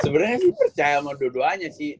sebenarnya si percaya sama dodo aja sih